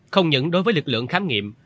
không những đối với lực lượng khám nghiệm